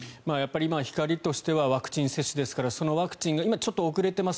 今は光としてはワクチン接種ですからそのワクチンが今ちょっと遅れています。